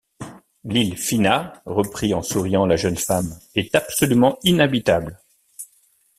L’île Phina, reprit en souriant la jeune femme, est absolument inhabitable!